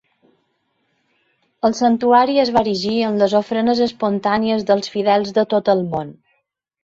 El santuari es va erigir amb les ofrenes espontànies dels fidels de tot el món.